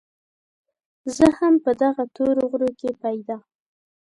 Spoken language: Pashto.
زه هم په دغه تورو غرو کې پيدا